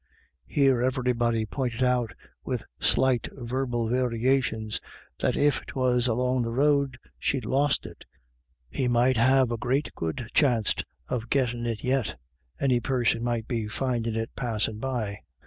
Here everybody pointed out, with slight verbal variations, that if 'twas along the road she'd lost it, he might have a great good chanst of gittin' it yit ; any person might be findin' it passin' by.